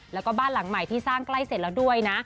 แล้วก็บ้านหลังใหม่ที่สร้างใกล้เสร็จแล้วด้วยนะ